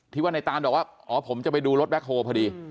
ว่าในตานบอกว่าอ๋อผมจะไปดูรถแบ็คโฮลพอดี